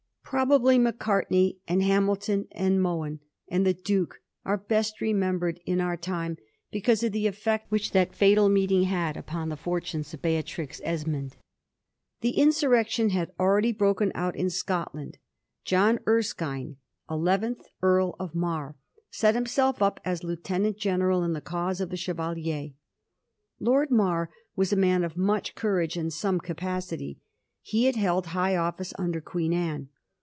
Probably Mac artney, and Hamilton, and Mohun, and the Duke «ure best remembered in our time because of the effect which that fatal meeting had upon the fortunes of Seatrix Esmond. The insurrection had ah^ady broken out in Scot land. John Erskine, eleventh Earl of Mar, set Idmself up as lieutenant general in the cause of the Ohevalier. Lord Mar was a man of much courage and some capacity. He had held high office under Queen Anne.